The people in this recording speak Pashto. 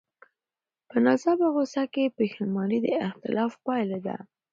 په ناڅاپه غوسه کې پښېماني د اختلال پایله ده.